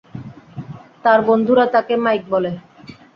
তার বন্ধুরা তাকে মাইক বলে।